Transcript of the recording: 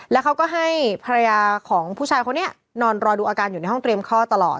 แล้วเขาก็ให้ภรรยาของผู้ชายคนนี้นอนรอดูอาการอยู่ในห้องเตรียมข้อตลอด